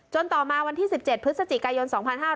ต่อมาวันที่๑๗พฤศจิกายน๒๕๕๙